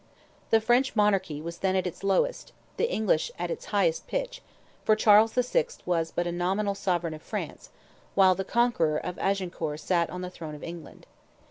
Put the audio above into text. The French monarchy was then at its lowest, the English at its highest pitch, for Charles VI. was but a nominal sovereign of France, while the conqueror of Agincourt sat on the throne of England.